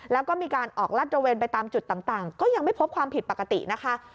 แล้วก็มีการออกลาดตระเวนไปตามจุดต่างก็ยังไม่พบความผิดปกตินะคะ